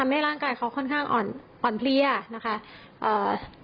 ทำให้ร่างกายเขาค่อนข้างอ่อนเพลียนะคะ